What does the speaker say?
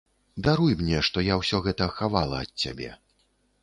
Даруй мне, што я ўсё гэта хавала ад цябе.